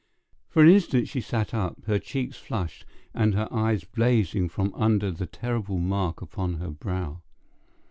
For an instant she sat up, her cheeks flushed, and her eyes blazing from under the terrible mark upon her brow.